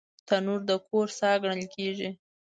تنور د کور ساه ګڼل کېږي